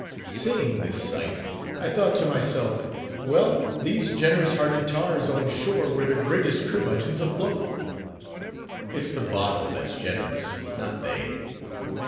Seeing this sight, I thought to myself, Well, these generous hearted tars on shore were the greatest curmudgeons afloat! it's the bottle that's generous, not they!